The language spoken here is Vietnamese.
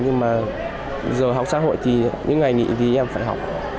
nhưng mà giờ học xã hội thì những ngày nghỉ thì em phải học